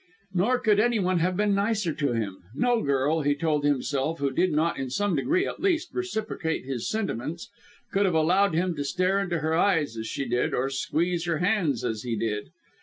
Nor could anyone have been nicer to him. No girl, he told himself, who did not in some degree at least, reciprocate his sentiments, could have allowed him to stare into her eyes as she did, or squeeze her hands, as he did.